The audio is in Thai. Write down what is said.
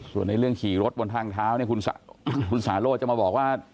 ส่วนในเรื่องขี่รถบนทางเท้าเนี่ยคุณสาโรธจะมาบอกว่า